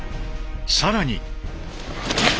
更に。